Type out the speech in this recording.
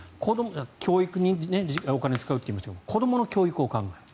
教育にお金を使うと言いましたが子どもの教育を考える。